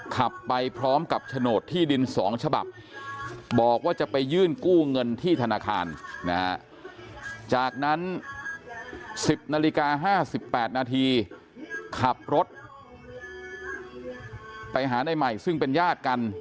ขับรถไปหาในใหม่ซึ่งเป็นญาติกัน